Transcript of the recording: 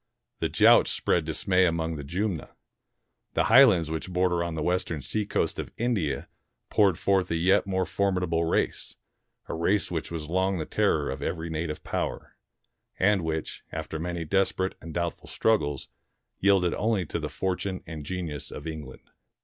The Jauts spread dismay along the Jumna. The highlands which border on the western seacoast of India poured forth a yet more formidable race, a race which was long the terror of every native power, and which, after many desperate and doubtful struggles, yielded only to the fortune and genius of England.